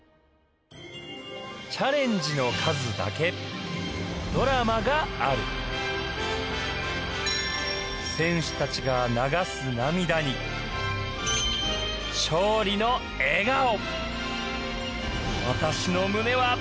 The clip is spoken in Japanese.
チャレンジの数だけドラマがある選手たちが流す涙に勝利の笑顔